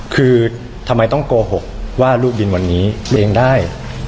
คือทำไมต้องโกหกว่าลูกบินวันนี้เองได้